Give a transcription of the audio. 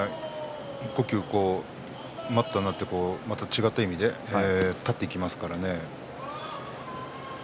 一呼吸、待ったになってまた違った意味で立っていきます